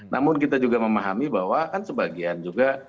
namun kita juga memahami bahwa kan sebagian juga